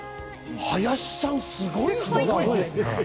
林さん、すごいね。